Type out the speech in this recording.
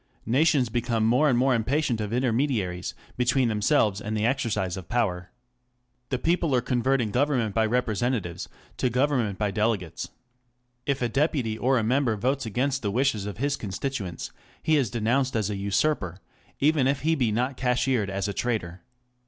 Nations become more and more impatient of intermediaries between themselves and the exercise of power. The people are converting govern / ment by representatives to government by delegates. If a deputy orj a member votes against the wishes of his constituents, he is denounced as a usurper, even if he be not cashiered as a traitor.